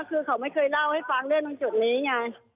คือเขาไม่เคยเล่าให้ฟังเรื่องตรงจุดนี้ไง